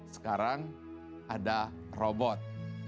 sekarang ada robot